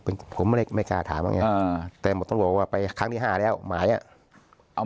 เป็นโขมไมลท์ไม่กล้าถามแต่หมดท้องว่าไปข้างที่๕แล้วหมายเอา